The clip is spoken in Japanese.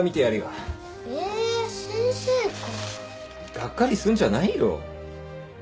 がっかりすんじゃないよ。